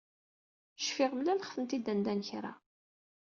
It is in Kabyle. Cfiɣ mlaleɣ-tent-id anda n kra.